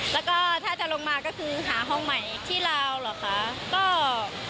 แล้วก็ถ้าจะลงมาก็คือหาห้องใหม่ที่ลาวเหรอคะ